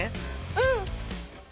うん。